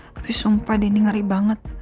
tapi sumpah deh ini ngeri banget